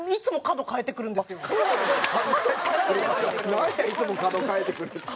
なんや「いつも角変えてくる」って。